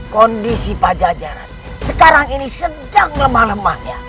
kondisi pajajaran sekarang ini sedang lemah lemahnya